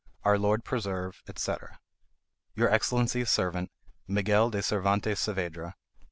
Our Lord preserve, &c. Your Excellency's servant, MIGUEL DE CERVANTES SAAVEDRA.